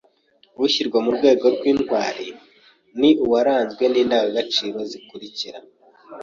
Ushyirwa mu rwego rw’intwari ni uwaranzwe n’indangagaciro zikurikira: